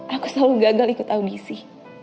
aku selalu gagal ikut audisi